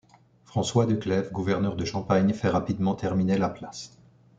François de Clèves, gouverneur de Champagne, fait rapidement terminer la place.